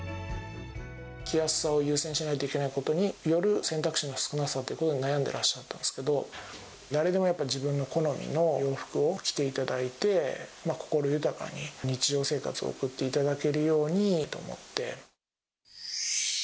着やすさを優先しないといけないことによる選択肢の少なさということに悩んでらっしゃったんですけど、誰でもやっぱり自分の好みの洋服を着ていただいて、心豊かに日常生活を送っていただけるようにと思って。